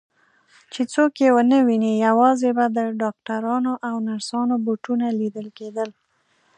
چې څوک یې ونه ویني، یوازې به د ډاکټرانو او نرسانو بوټونه لیدل کېدل.